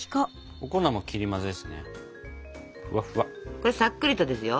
これさっくりとですよ。